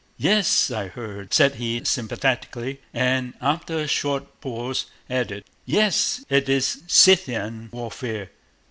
"Yes, I heard," said he sympathetically, and after a short pause added: "Yes, it's Scythian warfare.